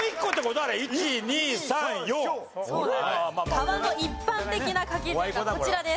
「革」の一般的な書き順がこちらです。